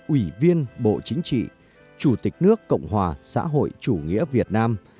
ủy viên bộ chính trị chủ tịch nước cộng hòa xã hội chủ nghĩa việt nam